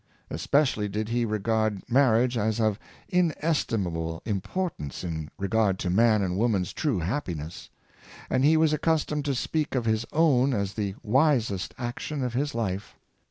Especially did he regard marriage as of inestimable importance in regard to man and woman's true happiness; and he was accustomed to speak of his own as the wisest ac tion of his life.